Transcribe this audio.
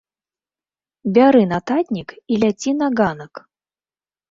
Бяры нататнік і ляці на ганак!